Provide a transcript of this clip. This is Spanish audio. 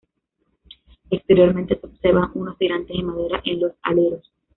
Exteriormente se observan unos tirantes de madera en los aleros.